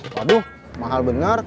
waduh mahal bener